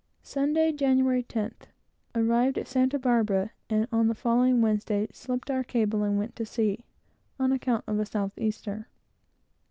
Sunday, January 10th. Arrived at Santa Barbara, and on the following Wednesday, slipped our cable and went to sea, on account of a south easter.